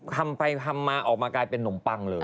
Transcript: ทำไปทำมาออกมากลายเป็นนมปังเลย